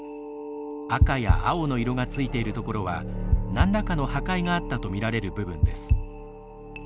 赤や青の色がついているところはなんらかの破壊があったとみられる部分です。